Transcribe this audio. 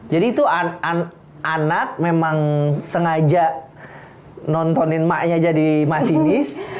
jadi itu anak memang sengaja nontonin maknya jadi masinis